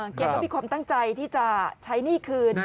แกก็มีความตั้งใจที่จะใช้หนี้คืน